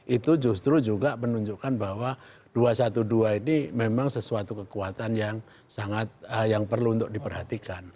itu justru juga menunjukkan bahwa dua ratus dua belas ini memang sesuatu kekuatan yang sangat yang perlu untuk diperhatikan